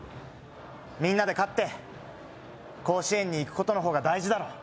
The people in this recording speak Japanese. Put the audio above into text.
みんなで勝って甲子園に行くことの方が大事だろ？